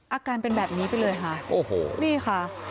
อาการเป็นแบบนี้ไปเลยค่ะโอ้โหนี่ค่ะ